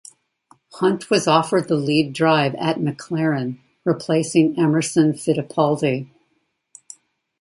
Hunt was offered the lead drive at McLaren, replacing Emerson Fittipaldi.